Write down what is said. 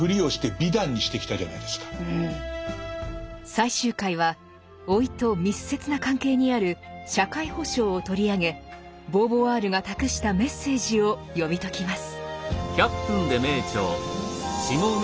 最終回は老いと密接な関係にある「社会保障」を取り上げボーヴォワールが託したメッセージを読み解きます。